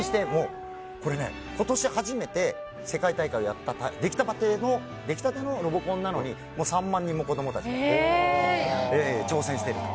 今年初めて世界大会をやった出来立てのロボコンなのに３万人の子供たちが挑戦しているんです。